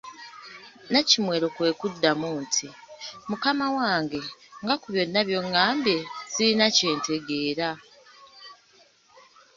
Nnakimwero kwe kumuddamu nti, Mukama wange nga ku byonna by’ongambye sirinaako kye ntegeera.